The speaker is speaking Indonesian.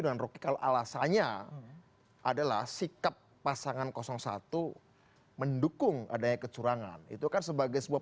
dengan rocky kalau alasannya adalah sikap pasangan satu mendukung adanya kecurangan itu kan sebagai sebuah